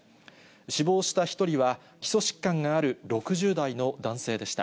死亡した１人は、基礎疾患がある６０代の男性でした。